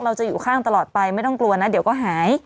เราจะอยู่ข้างตลอดไปไม่ต้องกลัวนะเดี๋ยวก็หาย